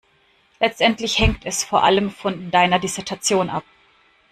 Letztendlich hängt es vor allem von deiner Dissertation ab.